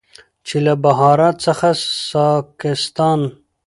چې له بهارت څخه ساکستان،